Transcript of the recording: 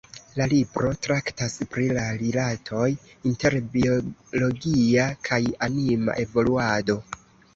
La libro traktas pri la rilatoj inter biologia kaj anima evoluado.